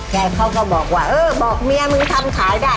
เขาก็บอกว่าเออบอกเมียมึงทำขายได้